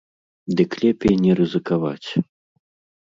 Дык лепей не рызыкаваць.